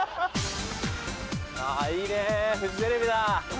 あいいねフジテレビだ。